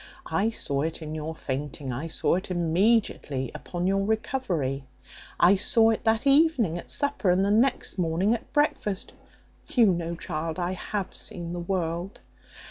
I saw it in your fainting. I saw it immediately upon your recovery. I saw it that evening at supper, and the next morning at breakfast (you know, child, I have seen the world).